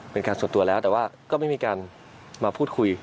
เป็นการส่วนตัวแล้วแต่ว่าก็ไม่มีการมาพูดคุย